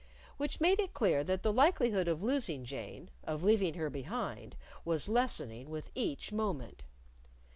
Which made it clear that the likelihood of losing Jane, of leaving her behind, was lessening with each moment!